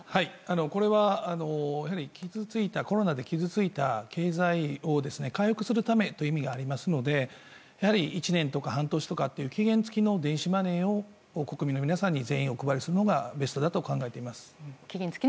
これはコロナで傷ついた経済を回復するためという意味がありますのでやはり１年とか半年とかという期限付きの電子マネーを国民の皆さんに全員お配りするのがベストだと思います。